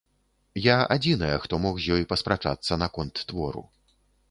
Я адзіная, хто мог з ёй паспрачацца наконт твору.